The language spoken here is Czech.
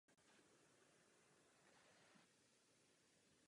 Hra vyžaduje online připojení k internetu.